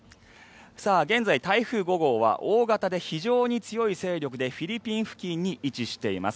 現在、台風５号は大型で非常に強い勢力でフィリピン付近に位置しています。